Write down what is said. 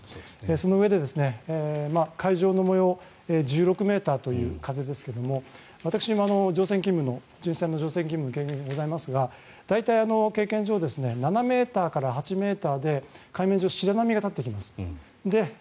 そのうえで、海上の模様１６ｍという風ですが私も巡視船の乗船勤務の経験がございますが大体、経験上７ｍから８ｍで海面上、白波が立ってきます。